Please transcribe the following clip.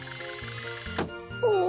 お！